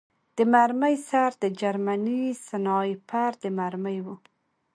د مرمۍ سر د جرمني سنایپر د مرمۍ و